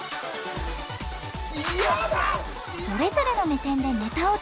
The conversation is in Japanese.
それぞれの目線でネタをチェック！